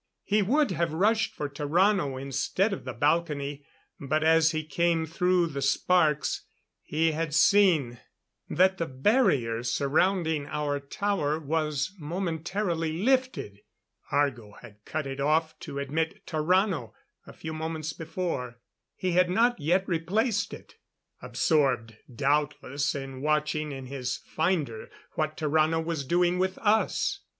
He would have rushed for Tarrano instead of the balcony, but as he came through the sparks he had seen that the barrier surrounding our tower was momentarily lifted. Argo had cut it off to admit Tarrano a few moments before. He had not yet replaced it absorbed, doubtless, in watching in his finder what Tarrano was doing with us.